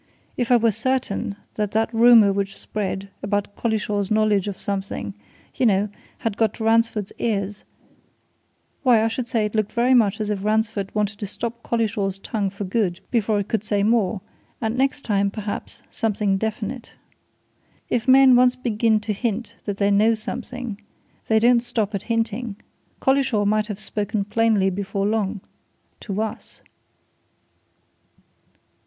If I were certain that that rumour which spread, about Collishaw's knowledge of something you know, had got to Ransford's ears why, I should say it looked very much as if Ransford wanted to stop Collishaw's tongue for good before it could say more and next time, perhaps, something definite. If men once begin to hint that they know something, they don't stop at hinting. Collishaw might have spoken plainly before long to us!"